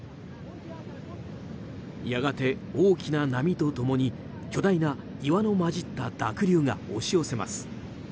やがて、大きな波と共に巨大な岩の混じった濁流が押し寄せます。